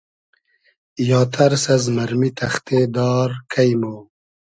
یا تئرس از مئرمی تئختې دار کݷ مۉ